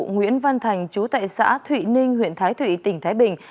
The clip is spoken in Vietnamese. nguyễn văn thành chú tại xã thụy ninh huyện thái thụy tỉnh thái bình